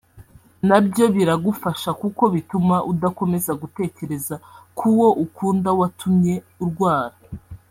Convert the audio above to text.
na byo biragufasha kuko bituma udakomeza gutekereza ku wo ukunda watumye urwara